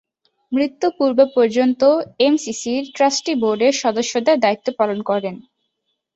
মৃত্যু পূর্ব-পর্যন্ত এমসিসির ট্রাস্টি বোর্ডের সদস্যের দায়িত্ব পালন করেন।